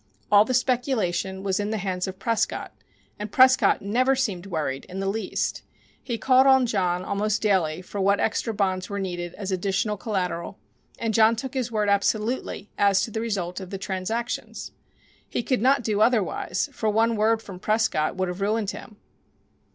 All the speculation was in the hands of Prescott, and Prescott never seemed worried in the least. He called on John almost daily for what extra bonds were needed as additional collateral, and John took his word absolutely as to the result of the transactions. He could not do otherwise, for one word from Prescott would have ruined him.